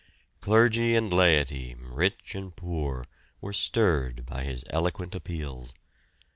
Clergy and laity, rich and poor, were stirred by his eloquent appeals.